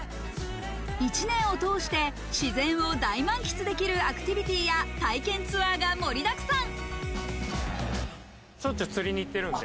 一年を通して自然を大満喫できるアクティビティや体験ツアーが盛りだくさん。